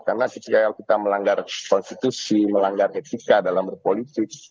karena ketika kita melanggar konstitusi melanggar etika dalam berpolisik